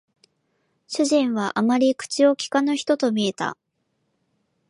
主人はあまり口を聞かぬ人と見えた